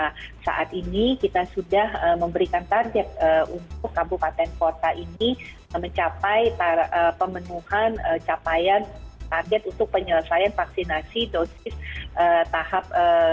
nah saat ini kita sudah memberikan target untuk kabupaten kota ini mencapai pemenuhan capaian target untuk penyelesaian vaksinasi dosis tahap dua